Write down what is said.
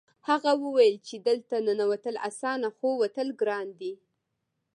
هغه وویل چې دلته ننوتل اسانه خو وتل ګران دي